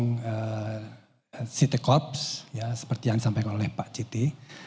dan juga dari city corp ya seperti yang disampaikan oleh pak citi